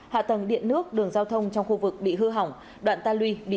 hạ tầng điện nước đường giao thông trong khu vực bị hư hỏng đoạn ta lùi bị sụp đổ một phần